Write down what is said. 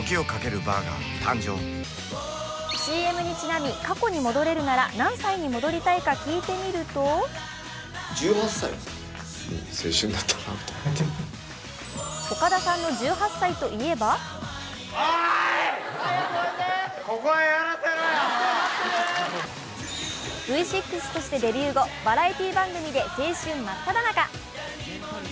ＣＭにちなみ、過去に戻れるなら何歳に戻りたいか聞いてみると岡田さんの１８歳といえばＶ６としてデビュー後、バラエティー番組で青春まっただ中。